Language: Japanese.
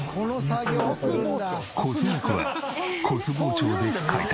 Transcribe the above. コス肉はコス包丁で解体。